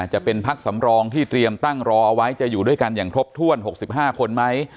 จะเป็นพักสำรองที่เตรียมตั้งรอเอาไว้จะอยู่ด้วยกันอย่างครบถ้วน๖๕คนไหม